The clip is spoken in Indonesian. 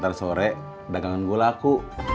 ntar sore dagangan gue laku